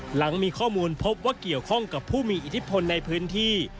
หลังมีข้อมูลพบว่าเกี่ยวข้องกับผู้มีอิทธิพลในพื้นที่